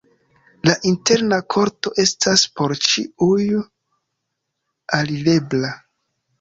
La interna korto estas por ĉiuj alirebla.